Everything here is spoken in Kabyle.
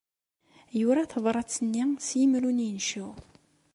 Yura tabṛat-nni s yimru n yincew.